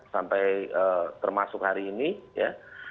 sampai termasuk hari ini ya